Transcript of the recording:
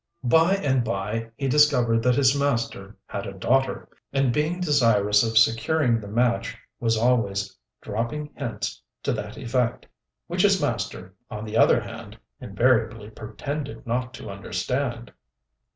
By and by he discovered that his master had a daughter, and being desirous of securing the match was always dropping hints to that effect, which his master, on the other hand, invariably pretended not to understand.